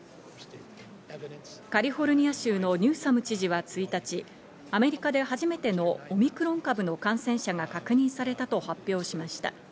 カリフォルニア州のニューサム知事は１日、アメリカで初めてのオミクロン株の感染者が確認されたと発表しました。